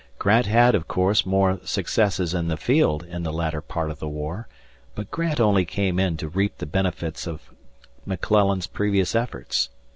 Grant had, of course, more successes in the field in the latter part of the war, but Grant only came in to reap the benefits of McClellan's previous efforts.